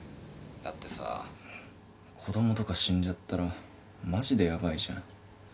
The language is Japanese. だってさ子供とか死んじゃったらマジでヤバいじゃん。